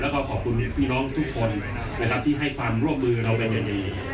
แล้วก็ขอบคุณพี่น้องทุกคนนะครับที่ให้ความร่วมมือเราเป็นอย่างดี